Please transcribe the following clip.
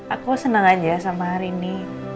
aku senang aja sama hari ini